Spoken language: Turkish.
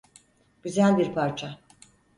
Güzel bir parça.